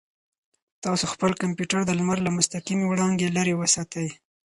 تاسو خپل کمپیوټر د لمر له مستقیمې وړانګې لرې وساتئ.